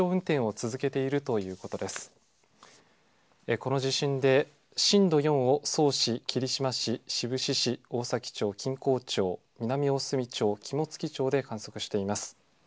この地震で、震度４を曽於市、霧島市、志布志市、大崎町、錦江町、南大隅町、肝付町で観測しています。